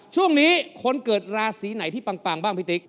ช่วงนี้คนเกิดราศีไหนที่ปังบ้างพี่ติ๊ก